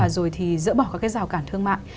rồi thì dỡ bỏ các cái rào cản thương mại